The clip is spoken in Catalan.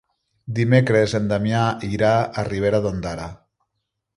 Dimecres en Damià irà a Ribera d'Ondara.